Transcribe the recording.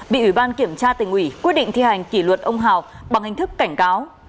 bị ủy ban kiểm tra tỉnh ủy quyết định thi hành kỷ luật ông hào bằng hình thức cảnh cáo